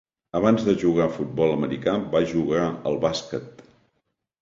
Abans de jugar al futbol americà, va jugar al bàsquet.